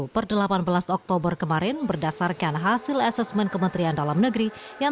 per delapan belas oktober kemarin berdasarkan hasil asesmen kementerian dalam negeri yang